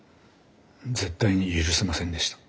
絶対に許せませんでした。